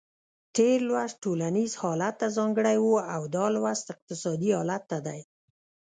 تېر لوست ټولنیز حالت ته ځانګړی و او دا لوست اقتصادي حالت ته دی.